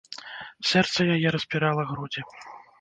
Сэрца яе распірала грудзі.